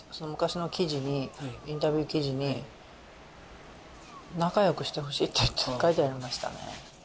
昔の記事にインタビュー記事に仲良くしてほしいって書いてありましたね